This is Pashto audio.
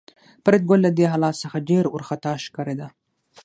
فریدګل له دې حالت څخه ډېر وارخطا ښکارېده